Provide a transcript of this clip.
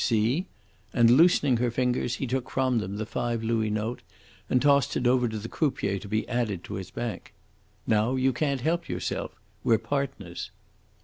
"See!" and loosening her fingers he took from them the five louis note and tossed it over to the croupier to be added to his bank. "Now you can't help yourself. We're partners."